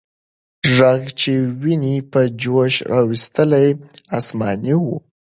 ږغ چې ويني په جوش راوستلې، آسماني و.